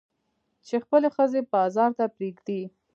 چې خپلې ښځې بازار ته پرېږدي.